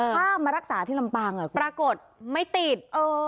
ถ้ามารักษาที่ลำปางอ่ะปรากฏไม่ติดเออ